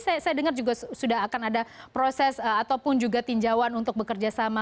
tapi saya dengar juga sudah akan ada proses ataupun juga tinjauan untuk bekerjasama